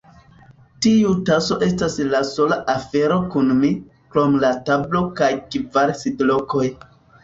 Tiu taso estas la sola afero kun mi, krom la tablo kaj kvar sidlokoj.